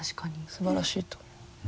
すばらしいと思う。